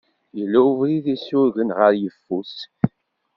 Yella ubrid isurgen ɣer yeffus.